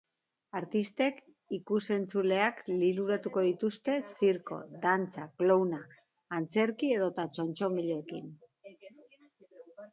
Artistek ikusentzuleak liluratuko dituzte zirko, dantza, clowna, antzerki edota txotxongiloekin.